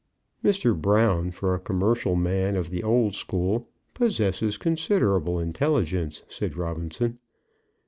"Mr. Brown, for a commercial man of the old school, possesses considerable intelligence," said Robinson.